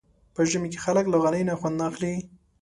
په ژمي کې خلک له غالۍ نه خوند اخلي.